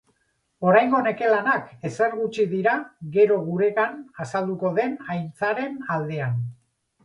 Oraingo neke-lanak ezer gutxi dira gero guregan azalduko den aintzaren aldean.